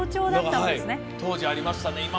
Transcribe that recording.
当時ありましたね。